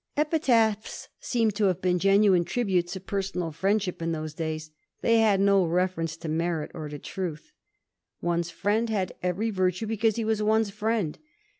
Epitaphs seem to have been genuine tributes of personal friendship in those days ; they had no refer ence to merit or to truth. One's friend had every virtue because he was one's friend.